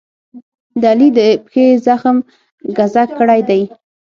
د علي د پښې زخم ګذک کړی دی.